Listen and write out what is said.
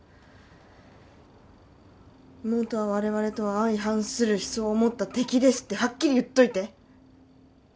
妹は我々とは相反する思想を持った敵ですってはっきり言っといて。